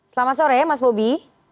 selamat sore mas bobi